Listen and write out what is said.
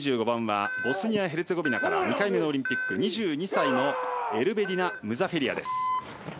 ２５番ボスニア・ヘルツェゴビナから２回目のオリンピック２２歳のエルベディナ・ムザフェリヤ。